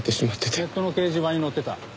これネットの掲示板に載ってた。